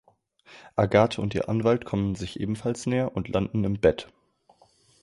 Agathe und ihr Anwalt kommen sich ebenfalls näher und landen im Bett.